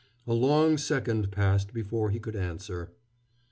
A long second passed before he could answer.